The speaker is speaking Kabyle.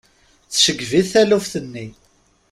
Tceggeb-it taluft-nni.